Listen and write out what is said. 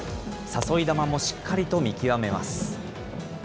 誘い球もしっかりと見極めます。